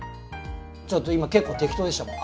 ちょっと今結構適当でしたもん。